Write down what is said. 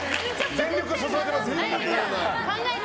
全力を注いでますね。